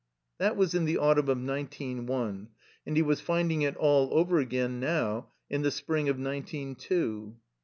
That was in the autmnn of nineteen one; and he was finding it all over again now in the spring of nineteen two.